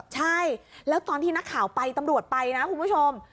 ใช่แล้วตอนที่นักข่าวไปตำรวจไปนะคุณผู้ชม